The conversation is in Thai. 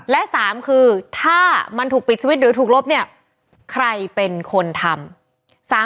และ๓คือถ้ามันถูกปิดสวิตช์หรือถูกลบเนี่ยใครเป็นคนทำ